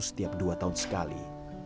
setiap dua tahun sekali